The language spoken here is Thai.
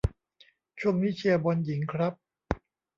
ช่วงนี้เชียร์บอลหญิงครับ